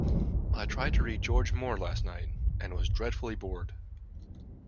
I tried to read George Moore last night, and was dreadfully bored.